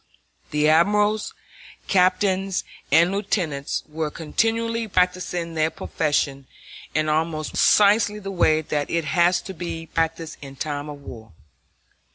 The admirals, captains, and lieutenants were continually practicing their profession in almost precisely the way that it has to be practiced in time of war.